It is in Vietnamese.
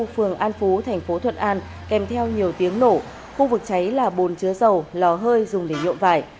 phường an phú thành phố thuận an kèm theo nhiều tiếng nổ khu vực cháy là bồn chứa dầu lò hơi dùng để nhuộm vải